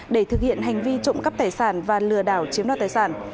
để thực hiện hành vi trộm cắp tài sản và lừa đảo chiếm đoạt tài sản